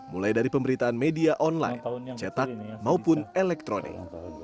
mulai dari pemberitaan media online cetak maupun elektronik